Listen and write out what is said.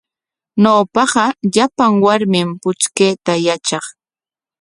Ñawpaqa llapan warmim puchkayta yatraq.